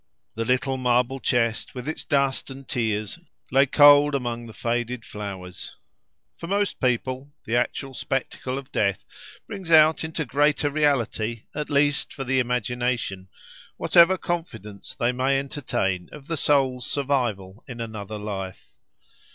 The little marble chest with its dust and tears lay cold among the faded flowers. For most people the actual spectacle of death brings out into greater reality, at least for the imagination, whatever confidence they may entertain of the soul's survival in another life.